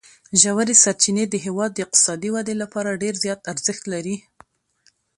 ژورې سرچینې د هېواد د اقتصادي ودې لپاره ډېر زیات ارزښت لري.